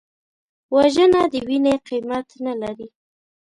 وژنه د وینې قیمت نه لري